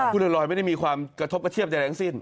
ลอยไม่ได้มีความกระทบกระเทียบใดทั้งสิ้น